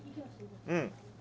うん。